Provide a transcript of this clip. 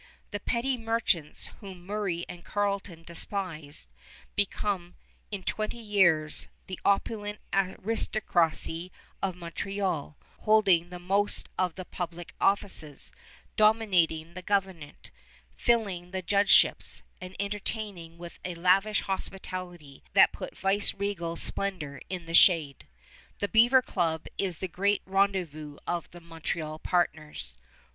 The petty merchants whom Murray and Carleton despised became in twenty years the opulent aristocracy of Montreal, holding the most of the public offices, dominating the government, filling the judgeships, and entertaining with a lavish hospitality that put vice regal splendor in the shade. The Beaver Club is the great rendezvous of the Montreal partners.